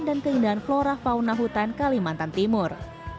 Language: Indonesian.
dan keindahan flora fauna hutan kalimantan timur